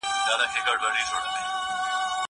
زه پرون زده کړه کوم!!